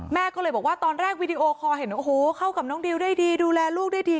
แม่ก็เลยบอกว่าตอนแรกวีดีโอคอลเห็นโอ้โหเข้ากับน้องดิวได้ดีดูแลลูกได้ดี